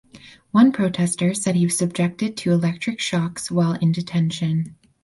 One protester said he was subjected to electric shocks while in detention.